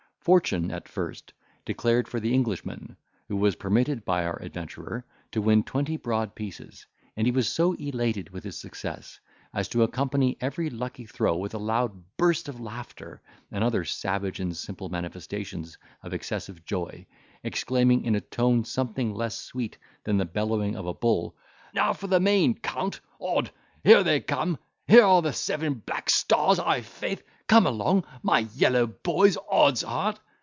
Fortune, at first, declared for the Englishman, who was permitted by our adventurer to win twenty broad pieces; and he was so elated with his success, as to accompany every lucky throw with a loud burst of laughter, and other savage and simple manifestations of excessive joy, exclaiming, in a tone something less sweet than the bellowing of a bull, "Now for the main, Count,—odd! here they come—here are the seven black stars, i'faith. Come along, my yellow boys—odd's heart!